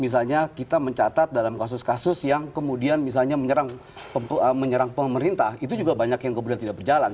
misalnya kita mencatat dalam kasus kasus yang kemudian misalnya menyerang pemerintah itu juga banyak yang kemudian tidak berjalan